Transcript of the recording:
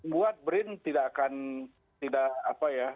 buat brin tidak akan tidak apa ya